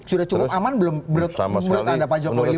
sudah cukup aman belum menurut anda pak jokowi